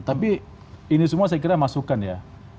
tapi ini semua saya kira masukan ya